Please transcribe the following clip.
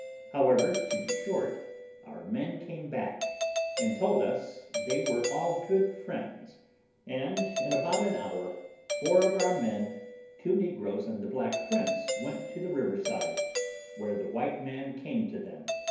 However, to be short, our men came back, and told us they were all good friends, and in about an hour four of our men, two negroes, and the black prince, went to the river side, where the white man came to them.